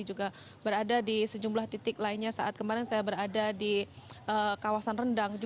juga berada di sejumlah titik lainnya saat kemarin saya berada di kawasan rendang